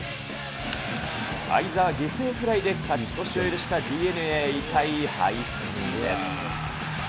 會澤、犠牲フライで勝ち越しを許したＤｅＮＡ、痛い敗戦です。